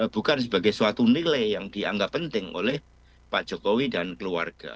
bukan sebagai suatu nilai yang dianggap penting oleh pak jokowi dan keluarga